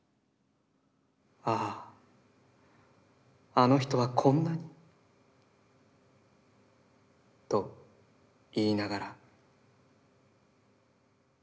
ああ、あの人はこんなに――と、言いながら」。